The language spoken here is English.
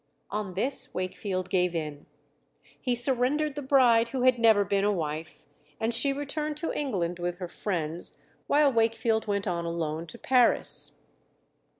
On this Wakefield gave in. He surrendered the bride who had never been a wife, and she returned to England with her friends, while Wakefield went on alone to Paris.